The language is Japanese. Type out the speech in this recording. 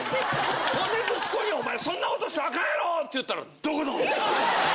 ほんで息子にお前そんなことしたらあかんやろって言ったらドコドン。